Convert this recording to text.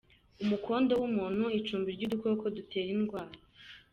Umukondo w’umuntu, icumbi ry’udukoko dutera indwara